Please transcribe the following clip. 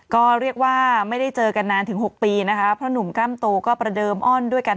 ก็เรียกว่าไม่ได้เจอกันนานถึง๖ปีนะคะเพราะหนุ่มกล้ามโตก็ประเดิมอ้อนด้วยกัน